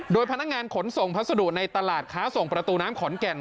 โดยพนักงานขนส่งพัสดุในตลาดค้าส่งประตูน้ำขอนแก่น